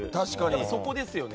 そこですよね。